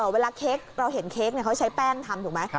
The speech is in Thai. เวลาเค้กเราเห็นเค้กเขาใช้แป้งทำถูกไหม